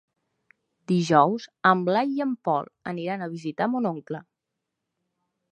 Dijous en Blai i en Pol aniran a visitar mon oncle.